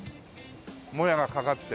もやがかかって。